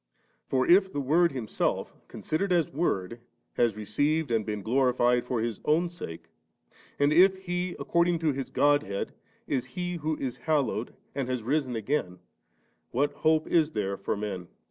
For if the Word Himself, considered as Word, has received and been glorified for His own sake, and if He according to His Godhead is He who is hallowed and has risen again, what hope is tiiere for men